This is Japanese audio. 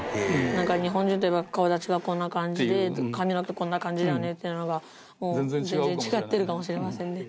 日本人といえば顔立ちがこんな感じで髪の毛こんな感じだよねっていうのが全然違ってるかもしれませんね。